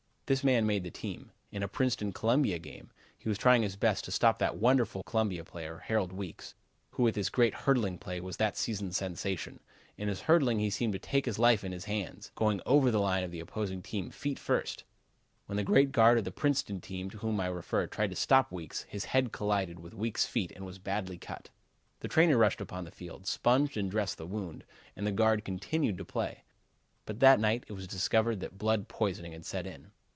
This man made the team. In a Princeton Columbia game he was trying his best to stop that wonderful Columbia player, Harold Weekes, who with his great hurdling play was that season's sensation. In his hurdling he seemed to take his life in his hands, going over the line of the opposing team feet first. When the great guard of the Princeton team to whom I refer tried to stop Weekes, his head collided with Weekes' feet and was badly cut. The trainer rushed upon the field, sponged and dressed the wound and the guard continued to play. But that night it was discovered that blood poisoning had set in.